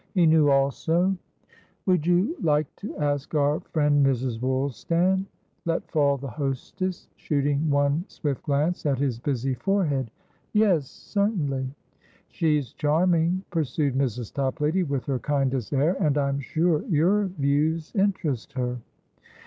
He knew also "Would you like to ask our friend Mrs. Woolstan?" let fall the hostess, shooting one swift glance at his busy forehead. "Yescertainly" "She's charming," pursued Mrs. Toplady, with her kindest air, "and I'm sure your views interest her."